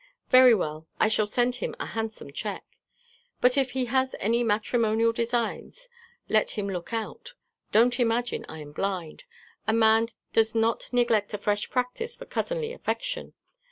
"Very well: I shall send him a handsome cheque. But if he has any matrimonial designs, let him look out. Don't imagine I am blind. A man does not neglect a fresh practice for cousinly affection.